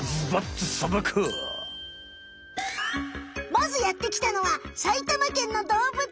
まずやってきたのは埼玉けんのどうぶつえん。